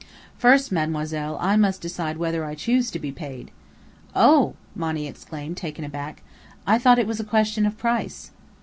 "First, Mademoiselle, I must decide whether I choose to be paid." "Oh!" Monny exclaimed, taken aback. "I thought it was a question of price."